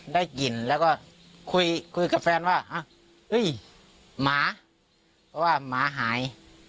ได้กลิ่นแล้วก็คุยกับแฟนว่าหมาเพราะว่าหมาหาย